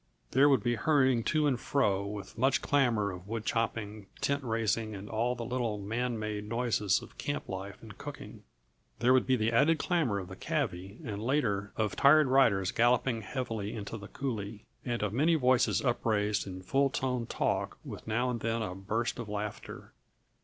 There would be hurrying to and fro with much clamor of wood chopping, tent raising and all the little man made noises of camp life and cooking. There would be the added clamor of the cavvy, and later, of tired riders galloping heavily into the coulée, and of many voices upraised in full toned talk with now and then a burst of laughter.